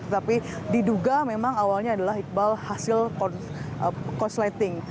tetapi diduga memang awalnya adalah iqbal hasil korsleting